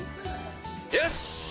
よし！